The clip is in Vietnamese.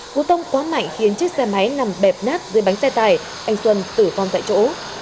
cú tông quá mạnh khiến chiếc xe máy nằm bẹp nát dưới bánh xe tải anh xuân tử vong tại chỗ